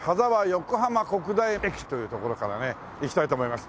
横浜国大駅という所からね行きたいと思います。